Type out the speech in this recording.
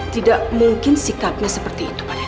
tidak mungkin sikapnya seperti itu pada ririn